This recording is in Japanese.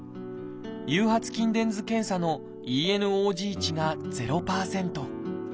誘発筋電図検査のＥＮｏＧ値が０％。